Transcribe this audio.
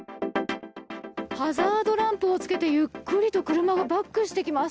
ハザードランプをつけてゆっくりと車がバックしてきます。